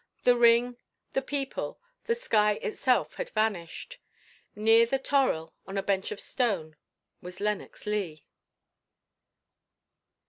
The ring, the people, the sky itself had vanished. Near the toril, on a bench of stone, was Lenox Leigh.